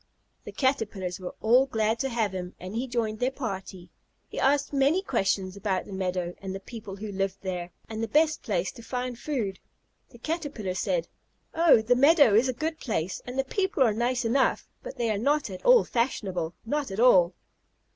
The Caterpillars were all glad to have him, and he joined their party. He asked many questions about the meadow, and the people who lived there, and the best place to find food. The Caterpillars said, "Oh, the meadow is a good place, and the people are nice enough, but they are not at all fashionable not at all."